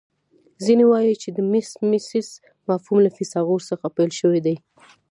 ځینې وايي چې د میمیسیس مفهوم له فیثاغورث څخه پیل شوی